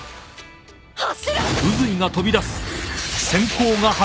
柱！！